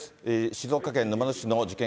静岡県沼津市の事件